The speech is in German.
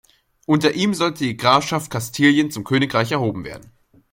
Unter ihm sollte die Grafschaft Kastilien zum Königreich erhoben werden.